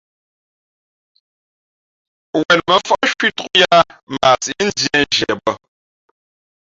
Wen mάmfάʼ cwītōk yāā mα a síʼ ndīē nzhie bᾱ.